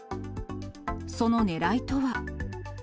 そのねらいとは。